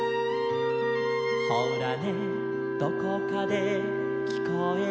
「ほらねどこかできこえるよ」